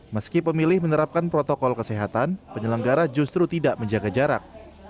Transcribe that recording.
meski pemilih menerapkan protokol kesehatan penyelenggara justru tidak menjaga jarak